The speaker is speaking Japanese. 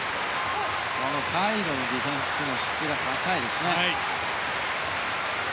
サイドのディフェンスの質が高いですね。